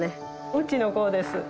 うちの子です。